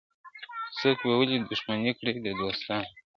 څوک به ولي دښمني کړي د دوستانو !.